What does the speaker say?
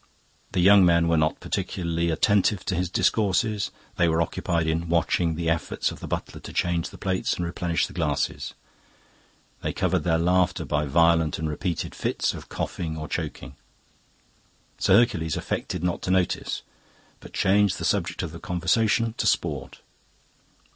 The young men were not particularly attentive to his discourses; they were occupied in watching the efforts of the butler to change the plates and replenish the glasses. They covered their laughter by violent and repeated fits of coughing or choking. Sir Hercules affected not to notice, but changed the subject of the conversation to sport.